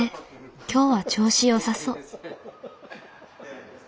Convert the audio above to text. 今日は調子よさそう。